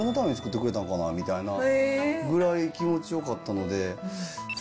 みたいなぐらい気持ちよかったので。